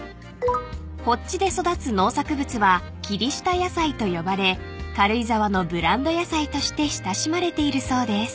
［発地で育つ農作物は霧下野菜と呼ばれ軽井沢のブランド野菜として親しまれているそうです］